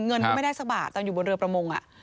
เงินก็ไม่ได้สักบาทตอนอยู่บนเรือประมง